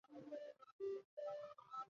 圣让德韦尔日人口变化图示